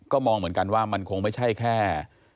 ก็มองเหมือนกันว่ามันคงไม่ใช่แค่